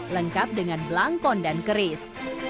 lengkap dengan belangkon dan keris